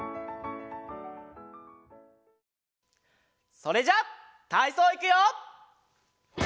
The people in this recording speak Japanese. それじゃたいそういくよ！